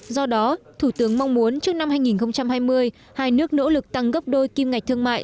do đó thủ tướng mong muốn trước năm hai nghìn hai mươi hai nước nỗ lực tăng gấp đôi kim ngạch thương mại